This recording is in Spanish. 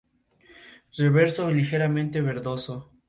Reverso ligeramente verdoso.